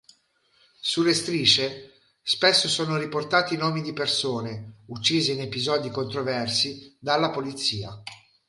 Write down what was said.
Sulle striscie spesso sono riportati nomi di persone uccise in episodi controversi dalla polizia.